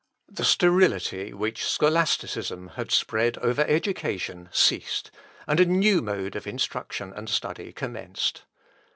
The sterility which scholasticism had spread over education ceased, and a new mode of instruction and study commenced.